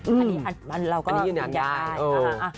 อันนั้นอยู้ยังเนื้อใจ